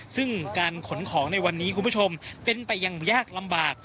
ซึ่งการขนของในวันนี้คุณผู้ชมเป็นไปอย่างยากลำบาก